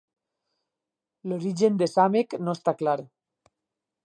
L'origen de Samekh no està clar.